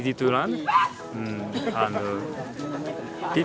semua orang sangat baik